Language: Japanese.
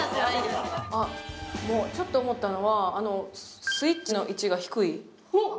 ちょっと思ったのは、スイッチの位置が低い？